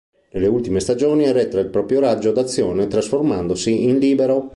Nelle ultime stagioni arretra il proprio raggio d'azione trasformandosi in libero.